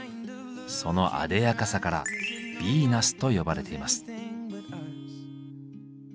そのあでやかさから「ヴィーナス」と呼ばれています。